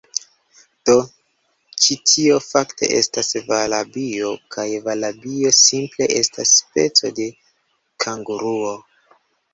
Do, ĉi tio, fakte, estas valabio kaj valabio simple estas speco de kanguruo.